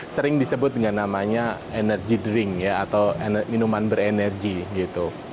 sering disebut dengan namanya energy drink ya atau minuman berenergi gitu